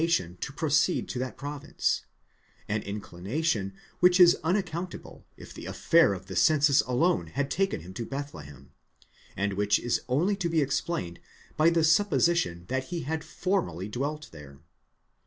tion to proceed to that province—an inclination which is unaccountable if the affair of the census alone had taken him to Bethlehem, and which is only to be explained by the supposition that he had formerly dwelt there.